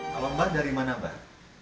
kalau mbah dari mana mbah